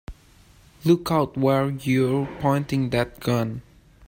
Look out where you're pointing that gun!